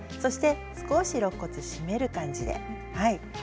少しろっ骨を締める感じで。